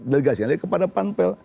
dirigasikan kepada panpel